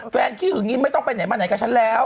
ขี้หึงนี้ไม่ต้องไปไหนมาไหนกับฉันแล้ว